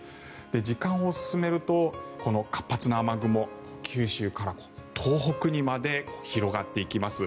時間を進めると活発な雨雲、九州から東北にまで広がっていきます。